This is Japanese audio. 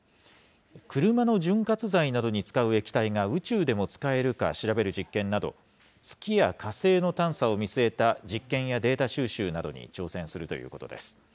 車の潤滑剤などに使う液体が宇宙でも使えるか調べる実験など、月や火星の探査を見据えた実験やデータ収集などに挑戦するということです。